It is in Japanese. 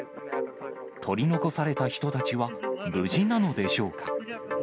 取り残された人たちは無事なのでしょうか。